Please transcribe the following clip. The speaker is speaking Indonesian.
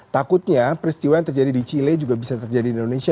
takutnya peristiwa yang terjadi di chile juga bisa terjadi di indonesia